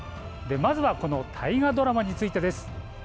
まずはこの大河ドラマについてです。